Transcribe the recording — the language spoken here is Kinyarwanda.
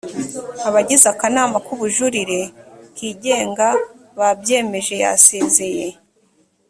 abagize akanama kubujurire kigenga babyemeje yasezeye